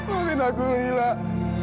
amin aku lelah